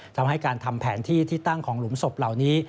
ทำให้การทำแผนที่ที่ตั้งของหลุมศพเหล่านี้